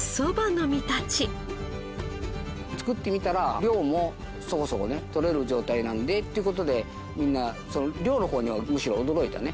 作ってみたら量もそこそこねとれる状態なんでっていう事でみんな量の方にむしろ驚いたね。